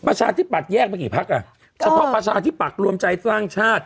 ประชาธิปัจแยกไปกี่พักอ่ะก็สำหรับประชาธิปัจรวมใจสร้างชาติ